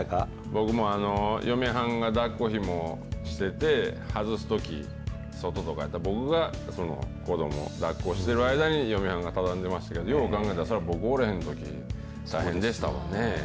僕も嫁はんがだっこひもしてて、外すとき、僕が子どもをだっこしてる間に嫁はんが畳んでましたけど、よう考えたら、それ、僕おれへんとき、大変でしたわね。